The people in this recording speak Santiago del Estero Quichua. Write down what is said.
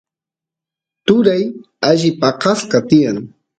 turay alli paqasqa tiyan